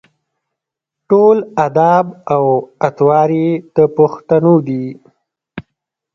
ټول اداب او اطوار یې د پښتنو دي.